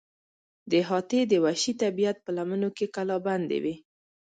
دا احاطې د وحشي طبیعت په لمنو کې کلابندې وې.